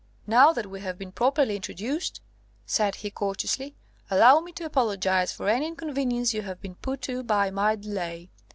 "Now that we have been properly introduced," said he courteously, "allow me to apologise for any inconvenience you have been put to by my delay.